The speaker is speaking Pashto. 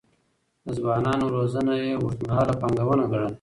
د ځوانانو روزنه يې اوږدمهاله پانګونه ګڼله.